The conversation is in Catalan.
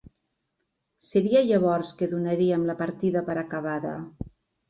Seria llavors que donaríem la partida per acabada.